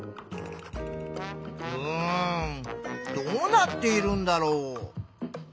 うんどうなっているんだろう？